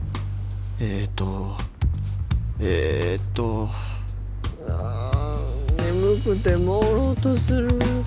えとえっとあ眠くてもうろうとする。